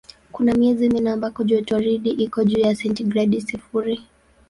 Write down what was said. Kuna miezi minne ambako jotoridi iko juu ya sentigredi sifuri.